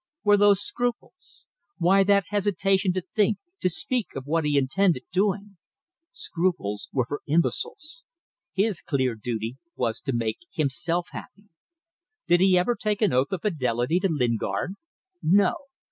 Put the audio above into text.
Were those scruples? Why that hesitation to think, to speak of what he intended doing? Scruples were for imbeciles. His clear duty was to make himself happy. Did he ever take an oath of fidelity to Lingard? No.